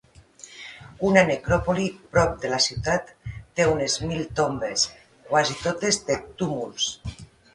Una necròpoli prop de la ciutat té unes mil tombes, quasi totes de túmuls.